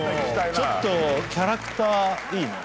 ちょっとキャラクターいいね。